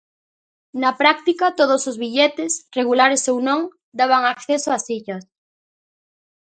Na práctica todos os billetes, regulares ou non, daban acceso ás illas.